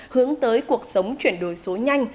hướng tới cuộc sống chuyển đổi số nhanh